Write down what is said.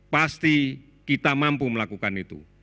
pasti kita mampu melakukan itu